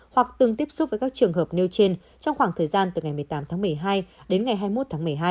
hoặc từng tiếp xúc với các trường hợp nêu trên trong khoảng thời gian từ ngày một mươi tám tháng một mươi hai đến ngày hai mươi một tháng một mươi hai